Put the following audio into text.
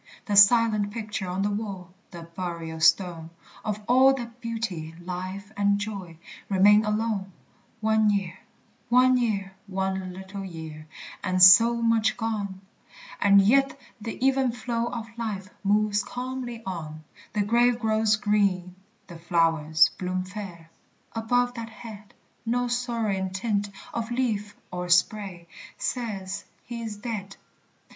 The silent picture on the wall, The burial stone, Of all that beauty, life, and joy, Remain alone! One year, one year, one little year, And so much gone! And yet the even flow of life Moves calmly on. The grave grows green, the flowers bloom fair, Above that head; No sorrowing tint of leaf or spray Says he is dead.